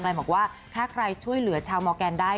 บอกว่าถ้าใครช่วยเหลือชาวมอร์แกนได้